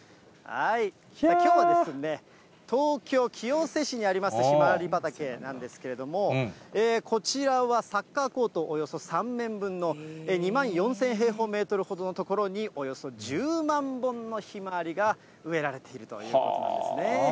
きょうはですね、東京・清瀬市にありますひまわり畑なんですけれども、こちらはサッカーコートおよそ３面分の、２万４０００平方メートルの所におよそ１０万本のひまわりが植えられているということなんですね。